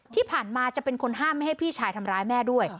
ที่ผ่านมาจะเป็นคนห้ามไม่ให้พี่ชายทำร้ายแม่ด้วย